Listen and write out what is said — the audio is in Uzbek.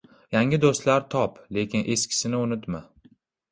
• Yangi do‘stlar top, lekin eskisini unutma.